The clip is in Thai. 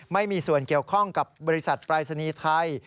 ไม่มีส่วนเกี่ยวข้องกับบริษัทปรายศนีย์ไทย